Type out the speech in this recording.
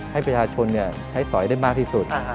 ให้ประชาชนใช้สอยได้มากที่สุด